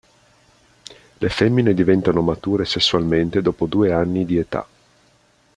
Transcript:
Le femmine diventano mature sessualmente dopo due anni di età.